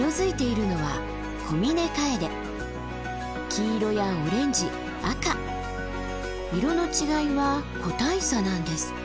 黄色やオレンジ赤色の違いは個体差なんですって。